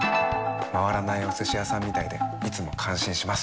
回らないお寿司屋さんみたいでいつも感心します。